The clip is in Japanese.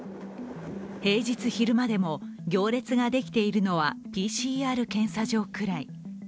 平日昼間でも行列ができているのはＰＣＲ検査場くらい。